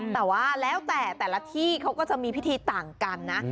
แต่ว่าแล้วแต่แต่ละที่เขาก็จะมีพิธีต่างกันนะ